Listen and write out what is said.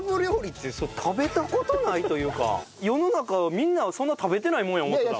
いやだから俺世の中みんなそんな食べてないもんや思ってた。